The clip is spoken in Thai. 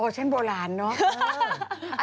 โอ้ชั้นโบราณเนอะ